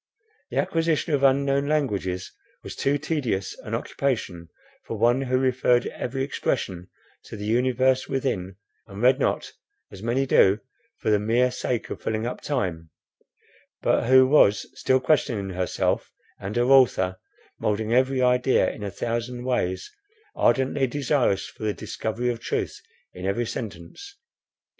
The acquisition of unknown languages was too tedious an occupation, for one who referred every expression to the universe within, and read not, as many do, for the mere sake of filling up time; but who was still questioning herself and her author, moulding every idea in a thousand ways, ardently desirous for the discovery of truth in every sentence.